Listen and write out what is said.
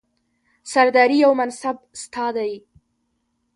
سرداري او منصب ستا دی